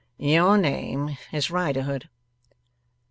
'Your name is Riderhood.